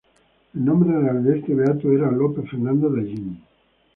El nombre real de este beato era Lope Fernando de Ayn.